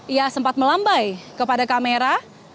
ia sempat melambai kepada kamera